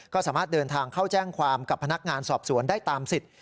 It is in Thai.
ก็สามารถเดินทางเข้าแจ้งความกับพนักงานสอบสวนได้ตามสิทธิ์